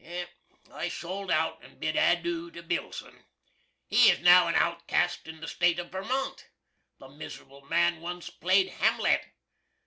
I sold out and bid adoo to Billson. He is now an outcast in the State of Vermont. The miser'ble man once played Hamlet.